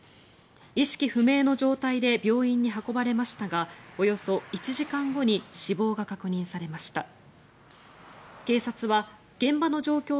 意識不明の状態で病院に運ばれましたがおよそ１時間後に死亡が確認されました。